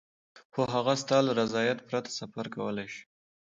خو هغه ستا له رضایت پرته سفر کولای شي.